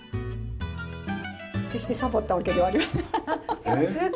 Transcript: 決してサボったわけではありません。